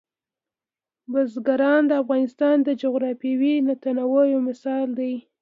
بزګان د افغانستان د جغرافیوي تنوع یو مثال دی.